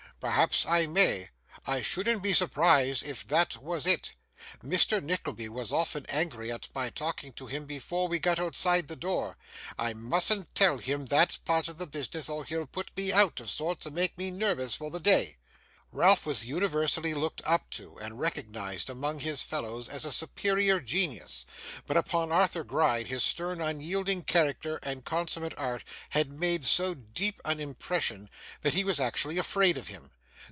Perhaps I may. I shouldn't be surprised if that was it. Mr. Nickleby was often angry at my talking to him before we got outside the door. I mustn't tell him that part of the business, or he'll put me out of sorts, and make me nervous for the day.' Ralph was universally looked up to, and recognised among his fellows as a superior genius, but upon Arthur Gride his stern unyielding character and consummate art had made so deep an impression, that he was actually afraid of him.